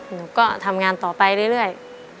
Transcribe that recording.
หนูก็ทำงานต่อไปเรื่อย